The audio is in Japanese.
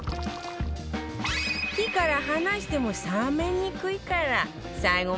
火から離しても冷めにくいから最後までアツアツ